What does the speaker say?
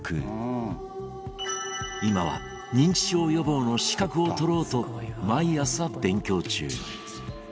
今は認知症予防の資格を取ろうと毎朝勉強中